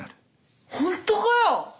本当かよ！？